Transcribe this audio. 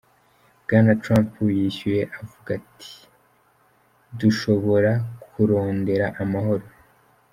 Bwana Trump yishuye avuga: "Dushobora kurondera amahoro.